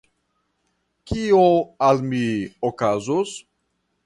Kio al mi okazos?